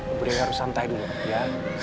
ibu dewi harus santai dulu ya